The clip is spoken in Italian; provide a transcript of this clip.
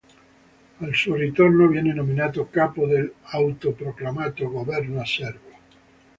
Al suo ritorno viene nominato capo dell'autoproclamato governo serbo.